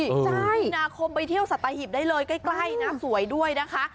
ใช่มีนาคมไปเที่ยวสัตหิบได้เลยใกล้นะสวยด้วยนะคะ